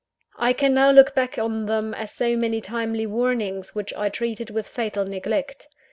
I can now look back on them, as so many timely warnings which I treated with fatal neglect.